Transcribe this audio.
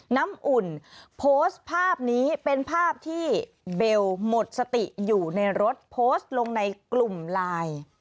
น้ำอุ่นโพสต์ภาพนี้เป็นภาพที่เบลหมดสติอยู่ในรถโพสต์ลงในกลุ่มไลน์